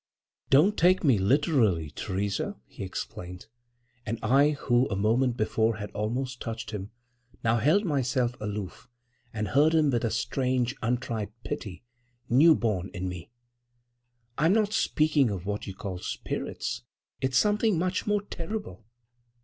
"Don't take me literally, Theresa," he explained; and I, who a moment before had almost touched him, now held myself aloof and heard him with a strange untried pity, new born in me. "I'm not speaking of what you call—spirits. It's something much more terrible."